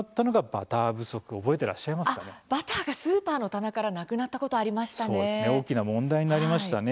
バターがスーパーの棚からなくなったことありましたね。